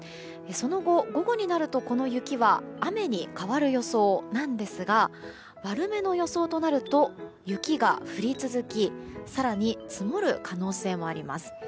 その後、午後になるとこの雪は雨に変わる予想ですが悪めの予想となると雪が降り続き更に積もる可能性もあります。